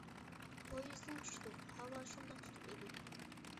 پويىزدىن چۈشتۇق، ھاۋا شۇنداق تۇتۇق ئىدى.